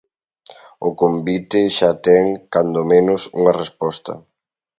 O convite xa ten, cando menos, unha resposta.